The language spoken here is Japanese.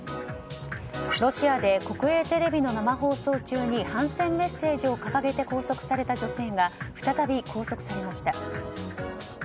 ロシアで国営テレビの生放送中に反戦メッセージを掲げて拘束された女性が再び拘束されました。